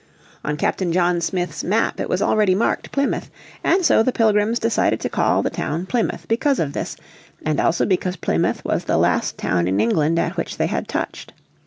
On Captain John Smith's map it was already marked Plymouth, and so the Pilgrims decided to call the town Plymouth because of this, and also because Plymouth was the last town in England at which they had touched.